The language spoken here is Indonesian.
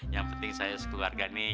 yang penting saya sekeluarga nih